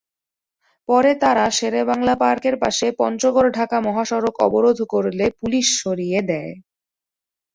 পরে তাঁরা শেরেবাংলা পার্কের পাশে পঞ্চগড়-ঢাকা মহাসড়ক অবরোধ করলে পুলিশ সরিয়ে দেয়।